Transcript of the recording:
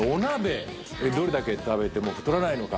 どれだけ食べても太らないのか？